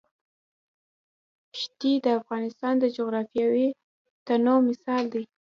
ښتې د افغانستان د جغرافیوي تنوع مثال دی.